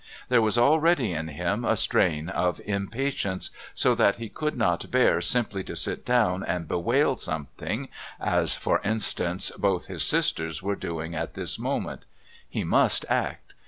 There was already in him a strain of impatience, so that he could not bear simply to sit down and bewail something as, for instance, both his sisters were doing at this moment. He must act.